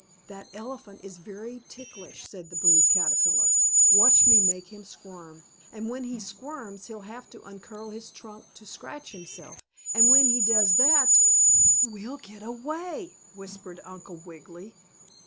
"That elephant is very ticklish," said the Blue Caterpillar. "Watch me make him squirm. And when he squirms he'll have to uncurl his trunk to scratch himself, and when he does that " "We'll get away!" whispered Uncle Wiggily.